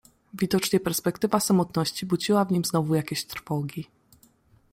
"Widocznie perspektywa samotności budziła w nim znowu jakieś trwogi."